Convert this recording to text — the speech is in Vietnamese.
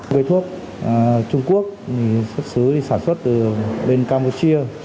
cây thuốc trung quốc xuất xứ đi sản xuất từ bên campuchia